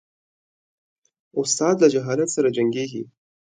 استاد له جهالت سره جنګیږي.